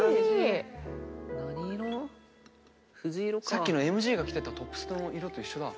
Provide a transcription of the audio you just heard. さっきのＭＪが着てたトップスの色と一緒だ。